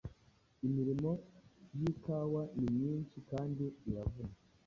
Imirimo y'ikawa ni myinshi kandi iravuna